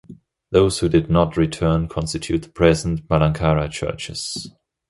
Those who did not return constitute the present Malankara Churches.